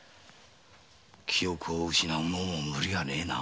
記憶を失うのも無理はねえな。